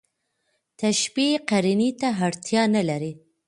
تشبېه قرينې ته اړتیا نه لري.